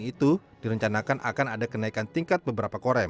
itu direncanakan akan ada kenaikan tingkat beberapa korem